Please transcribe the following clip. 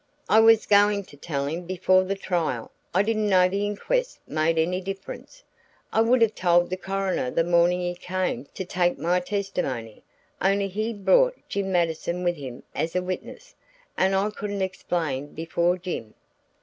"I was going to tell before the trial. I didn't know the inquest made any difference. I would have told the coroner the morning he came to take my testimony, only he brought Jim Mattison with him as a witness, and I couldn't explain before Jim."